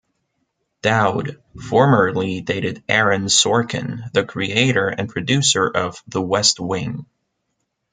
Dowd formerly dated Aaron Sorkin, the creator and producer of The West Wing.